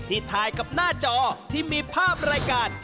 ถ่ายกับหน้าจอที่มีภาพรายการ